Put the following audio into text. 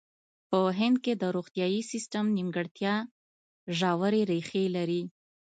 په هند کې د روغتیايي سیستم نیمګړتیا ژورې ریښې لري.